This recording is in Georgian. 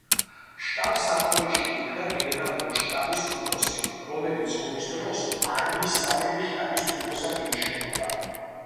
შტაბს სათავეში ედგა გენერალური შტაბის უფროსი, რომელიც ომის დროს არმიის საველე შტაბის უფროსად ინიშნებოდა.